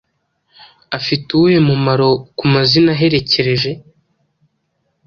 Afite uwuhe mumaro ku mazina aherekeje?